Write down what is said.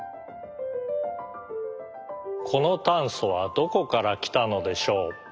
このたんそはどこからきたのでしょう？